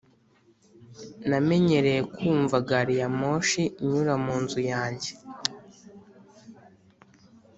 ] namenyereye kumva gari ya moshi inyura munzu yanjye.